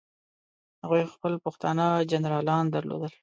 هغوی خپل پښتانه جنرالان درلودل.